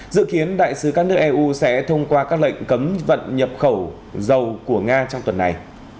dự kiến đại sứ các nước eu sẽ thông qua các lệnh cấm vận nhập khẩu dầu của nga trong tuần này